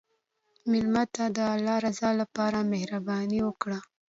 مېلمه ته د الله رضا لپاره مهرباني وکړه.